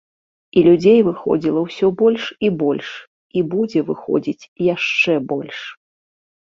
І людзей выходзіла ўсё больш і больш, і будзе выходзіць яшчэ больш.